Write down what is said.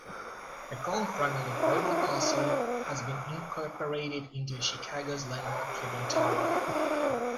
A column fragment of Wawel Castle has been incorporated into Chicago's landmark Tribune Tower.